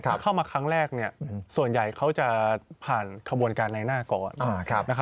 ถ้าเข้ามาครั้งแรกส่วนใหญ่เขาจะผ่านขบวนการในหน้าก่อน